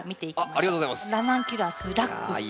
ラナンキュラス‘ラックス’。